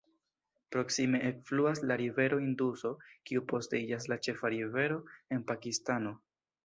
Proksime ekfluas la rivero Induso kiu poste iĝas la ĉefa rivero en Pakistano.